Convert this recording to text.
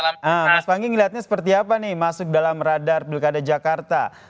nah mas pangi ngelihatnya seperti apa nih masuk dalam radar pilkada jakarta